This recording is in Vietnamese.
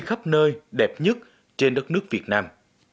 khắp nơi đẹp nhất trên đất nước việt nam